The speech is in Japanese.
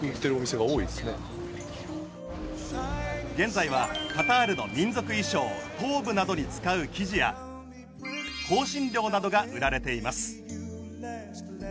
現在はカタールの民族衣装トーブなどに使う生地や香辛料などが売られています。